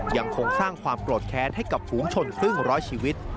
ยังคงสร้างความโกรธแค้นให้กับฝูงชนครึ่งร้อยชีวิต